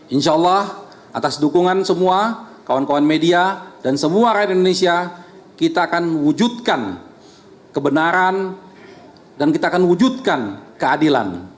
insya allah atas dukungan semua kawan kawan media dan semua rakyat indonesia kita akan mewujudkan kebenaran dan kita akan wujudkan keadilan